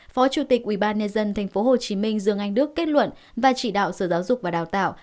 phó chủ tịch ubnd tp hcm dương anh đức kết luận và chỉ đạo sở giáo dục và đào tạo